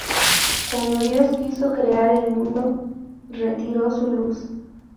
Cuando Dios quiso crear el mundo retiró su luz.